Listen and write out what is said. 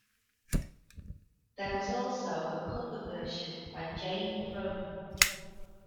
There was also a cover version by Jane Froman.